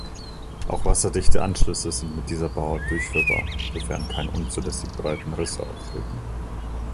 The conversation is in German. Auch wasserdichte Anschlüsse sind mit dieser Bauart durchführbar, sofern keine unzulässig breiten Risse auftreten.